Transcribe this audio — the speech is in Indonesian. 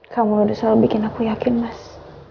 kamu udah selalu bikin aku yakin mas